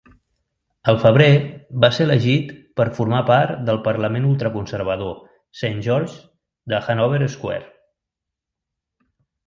Al febrer va ser elegit per formar part del parlament ultraconservador Saint George's de Hannover Square.